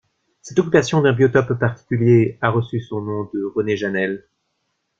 Cette occupation d'un biotope particulier a reçu son nom de René Jeannel.